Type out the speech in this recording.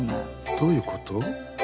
どういうこと？